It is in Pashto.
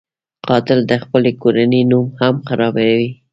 قاتل د خپلې کورنۍ نوم هم خرابوي